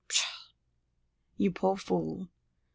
"Pshaw, you poor fool!"